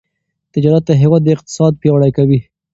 تجارت د هیواد اقتصاد پیاوړی کوي.